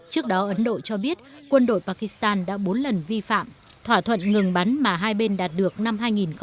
trước đó ấn độ cho biết quân đội pakistan đã bốn lần vi phạm thỏa thuận ngừng bắn mà hai bên đạt được năm hai nghìn một mươi năm